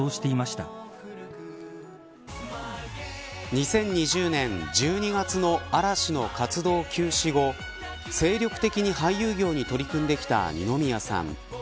２０２０年１２月の嵐の活動休止後精力的に俳優業に取り組んできた二宮さん。